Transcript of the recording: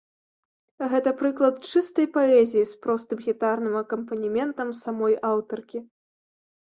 Гэта прыклад чыстай паэзіі з простым гітарным акампанементам самой аўтаркі.